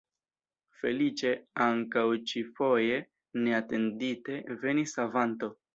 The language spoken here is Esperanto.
Feliĉe ankaŭ ĉi-foje neatendite venis savanto.